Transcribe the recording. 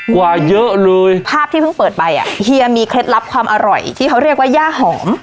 กว่าเยอะเลยภาพที่เพิ่งเปิดไปอ่ะเฮียมีเคล็ดลับความอร่อยที่เขาเรียกว่าย่าหอม